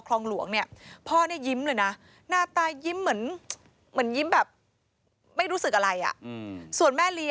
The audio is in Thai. แล้วที่แล้วก็คิดสิ่งนี้